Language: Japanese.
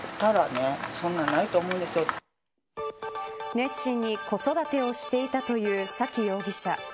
熱心に子育てをしていたという沙喜容疑者。